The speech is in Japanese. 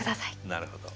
なるほど。